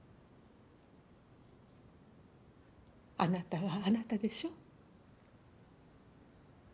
あなたはあなたでしょ。